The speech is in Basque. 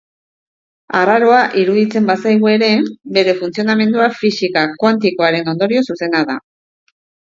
Arraroa iruditzen bazaigu ere, bere funtzionamendua fisika kuantikoaren ondorio zuzena da.